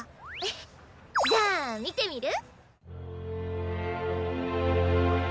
じゃあみてみる？